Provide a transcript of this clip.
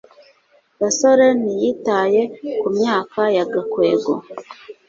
gasore ntiyitaye ku myaka ya gakwego